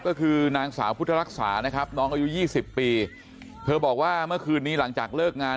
ก็คือนางสาวพุทธรักษานะครับน้องอายุ๒๐ปีเธอบอกว่าเมื่อคืนนี้หลังจากเลิกงาน